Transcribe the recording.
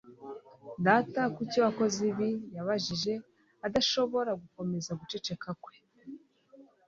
Data, kuki wakoze ibi?" yabajije, adashobora gukomeza guceceka kwe.